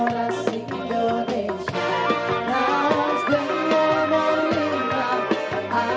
walau ke mirah